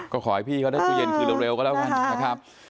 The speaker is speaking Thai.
ก็ขอให้พี่เขาได้ตู้เย็นคืนเร็วก็แล้วกันนะครับ